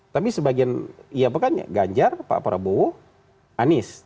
tapi sebagian ya apa kan ganjar pak prabowo anies